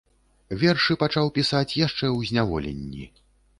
Вершы пачаў пісаць яшчэ ў зняволенні.